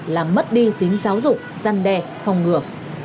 làm mất đi tính giáo dục gian đe phòng ngừa